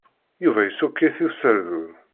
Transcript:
Yuba iṣukk-it userdun.